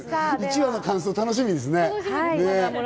１話の感想、楽しみですね。